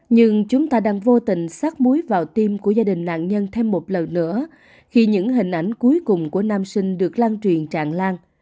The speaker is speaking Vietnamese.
nhưng chúng ta đang vô tình sát muối vào tim của gia đình nạn nhân thêm một lần nữa khi những hình ảnh cuối cùng của nam sinh được lan truyền tràn lan